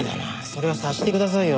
それは察してくださいよ。